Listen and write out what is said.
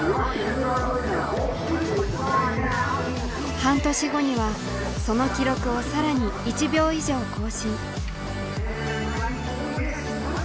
半年後にはその記録を更に１秒以上更新。